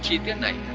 trí tiết này